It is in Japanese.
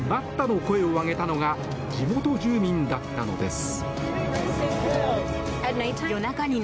の声を上げたのが地元住民だったのです。